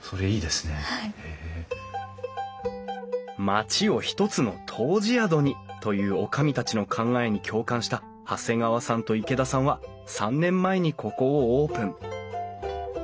町を一つの湯治宿にという女将たちの考えに共感した長谷川さんと池田さんは３年前にここをオープン。